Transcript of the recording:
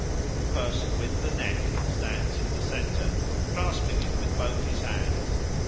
The person with 'the neck' stands in the centre, grasping it with both hands.